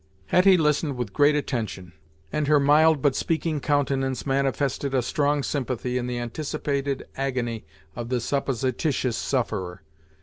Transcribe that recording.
Hetty listened with great attention, and her mild but speaking countenance manifested a strong sympathy in the anticipated agony of the supposititious sufferer.